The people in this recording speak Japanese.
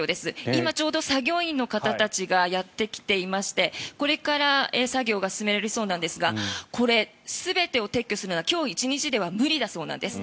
今ちょうど作業員の方たちがやってきていましてこれから作業が進められそうなんですがこれ、全てを撤去するのは今日１日では無理だそうです。